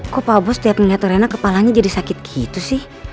kok pak abu setiap melihat rena kepalanya jadi sakit gitu sih